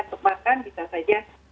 untuk makan bisa saja